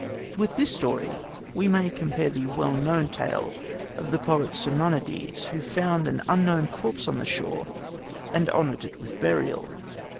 With this story we may compare the well known tale of the poet Simonides, who found an unknown corpse on the shore, and honoured it with burial.